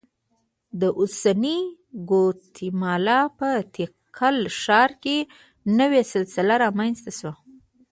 د اوسنۍ ګواتیمالا په تیکال ښار کې نوې سلسله رامنځته شوه